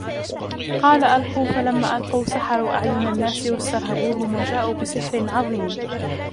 قَالَ أَلْقُوا فَلَمَّا أَلْقَوْا سَحَرُوا أَعْيُنَ النَّاسِ وَاسْتَرْهَبُوهُمْ وَجَاءُوا بِسِحْرٍ عَظِيمٍ